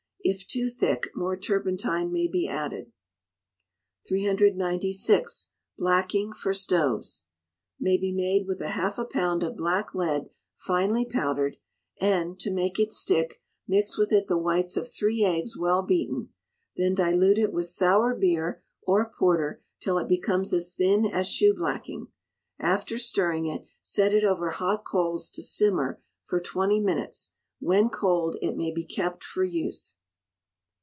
If too thick, more turpentine may be added. 396. Blacking for Stoves may be made with half a pound of black lead finely powdered, and (to make it stick) mix with it the whites of three eggs well beaten; then dilute it with sour beer or porter till it becomes as thin as shoe blacking; after stirring it, set it over hot coals to simmer for twenty minutes; when cold it may be kept for use.